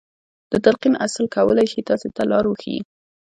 د تلقين اصل کولای شي تاسې ته لار وښيي.